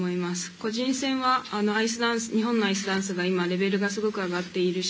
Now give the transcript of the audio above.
個人戦は日本のアイスダンスが今、レベルがすごく上がっているし